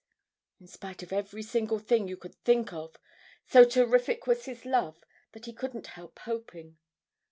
In spite of every single thing you could think of, so terrific was his love that he couldn't help hoping.